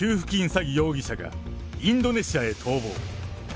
詐欺容疑者がインドネシアへ逃亡。